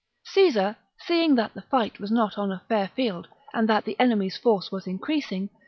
Caesar, seeing that the fight was not on a fair field, and that the enemy's force was increasing.